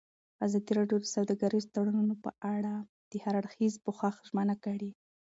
ازادي راډیو د سوداګریز تړونونه په اړه د هر اړخیز پوښښ ژمنه کړې.